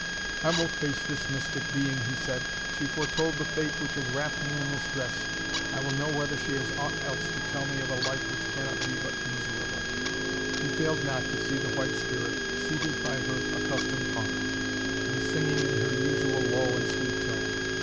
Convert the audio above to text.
"I will face this mystic being," he said; "she foretold the fate which has wrapt me in this dress, I will know whether she has aught else to tell me of a life which cannot but be miserable." He failed not to see the White Spirit seated by her accustomed haunt, and singing in her usual low and sweet tone.